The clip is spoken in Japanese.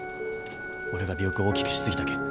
俺が尾翼を大きくしすぎたけん。